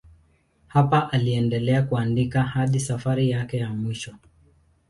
Hapa aliendelea kuandika hadi safari yake ya mwisho.